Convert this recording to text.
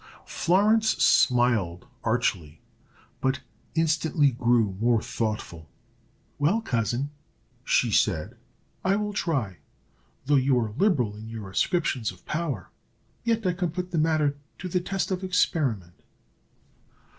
Florence smiled archly, but instantly grew more thoughtful. "Well, cousin," she said, "I will try. Though you are liberal in your ascriptions of power, yet I can put the matter to the test of experiment."